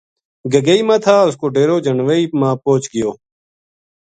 گگئی ما تھا اس کو ڈیرو جنوائی ما پوہچ گیو